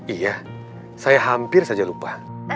iya saya hampir saja lupa